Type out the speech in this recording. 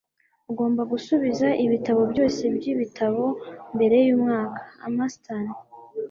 ugomba gusubiza ibitabo byose byibitabo mbere yumwaka. (amastan